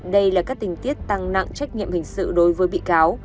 đây là các tình tiết tăng nặng trách nhiệm hình sự đối với bị cáo